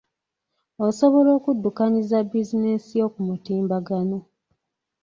Osobola okuddukanyiza bizinensi yo ku mutimbagano.